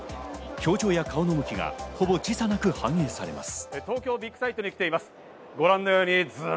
表情や顔の向きがほぼ時差なく反映されます。